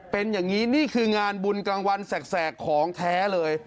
เป็นอย่างนี้นี่คืองานบุญกลางวันแสกของแท้เลย